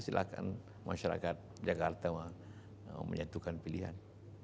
silahkan masyarakat jakarta menyatukan pilihan